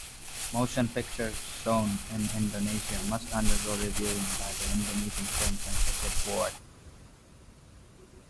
Motion pictures shown in Indonesia must undergo reviewing by the Indonesian Film Censorship Board.